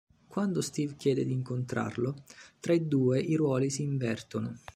Quando Steve chiede di incontrarlo, tra i due i ruoli si invertono.